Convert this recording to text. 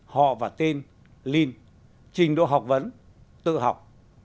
họ và tên line trình độ học vấn tự học